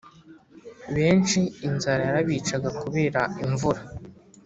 Benshi inzara yarabicaga kubera imvura.